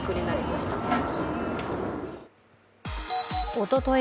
おととい